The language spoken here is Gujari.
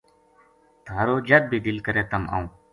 تھہارو جد بھی دل کرے تم آؤں